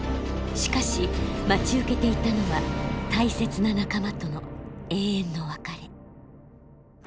しかし待ち受けていたのは大切な仲間との永遠の別れ。